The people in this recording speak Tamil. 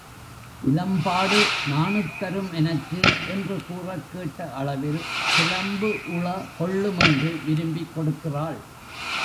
இலம்பாடு நாணுத் தரும் எனக்கு என்று கூறக் கேட்ட அளவில் சிலம்புஉள கொள்ளும் என்று விரும்பிக் கொடுக்கிறாள்.